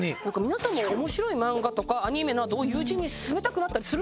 皆さんも面白い漫画とかアニメなどを友人に勧めたくなったりするじゃないですか？